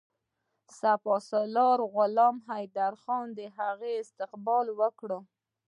سپه سالار غلام حیدرخان د هغه استقبال وکړ.